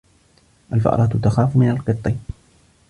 الْفَأْرَةُ تَخَافُ مِنَ الْقِطِّ.